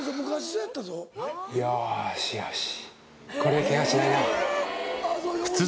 ・よしよし・